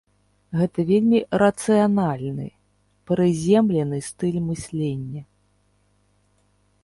Гэта вельмі рацыянальны, прыземлены стыль мыслення.